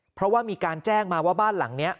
เพราะว่ามีการแจ้งมาว่าบ้านหลังนี้